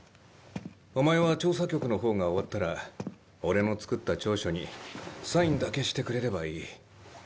お前は調査局の方が終わったら俺の作った調書にサインだけしてくれればいい。